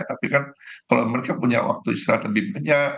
tapi kan kalau mereka punya waktu istirahat lebih banyak